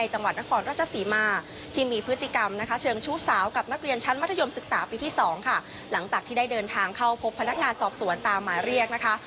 หลังจากที่ได้เดินทางเข้าพบพนักงานสอบสวนตามมาเรียกนะคะ